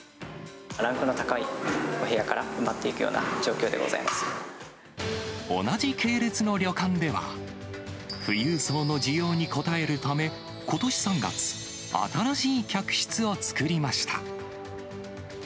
ランクの高い部屋から埋まっ同じ系列の旅館では、富裕層の需要に応えるため、ことし３月、新しい客室を作りました。